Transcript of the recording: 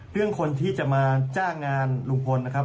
เรื่องคนที่จะมาจ้างงานลุงพลนะครับ